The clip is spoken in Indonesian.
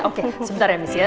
oke sebentar ya missi ya